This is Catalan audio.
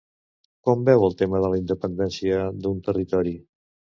Com veu el tema de la independència d'un territori?